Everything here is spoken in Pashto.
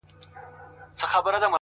ستا د ښکلا په تصور کي یې تصویر ویده دی _